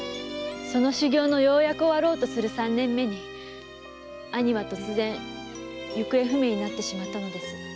修行のようやく終わろうとする三年目に兄は突然行方不明になってしまったのです。